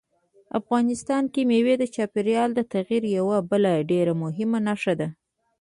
افغانستان کې مېوې د چاپېریال د تغیر یوه بله ډېره مهمه نښه ده.